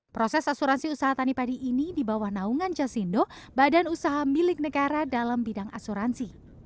proses asuransi usaha tani padi ini di bawah naungan jasindo badan usaha milik negara dalam bidang asuransi